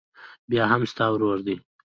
بيا هم ستا ورور دى.